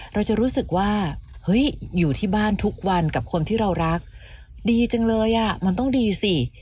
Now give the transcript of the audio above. เราจะรู้สึกว่าเฮ้ยอยู่ที่บ้านทุกวันกับคนที่เรารักดีจังเลยอ่ะมันต้องดีสิ